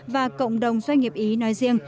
và cộng đồng doanh nghiệp ý nói riêng